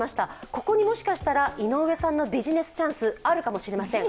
ここにもしかしたら井上さんのビジネスチャンスがあるかもしれません。